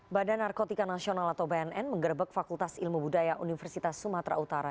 badan narkotika nasional atau bnn menggerbek fakultas ilmu budaya universitas sumatera utara